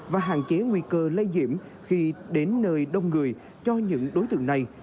và hạn chế nguy cơ lây nhiễm khi đến nơi đông người cho những đối tượng này